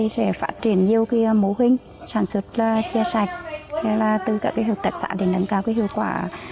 và phát triển nhiều mô hình sản xuất trè sạch từ các hợp tật xã để nâng cao hiệu quả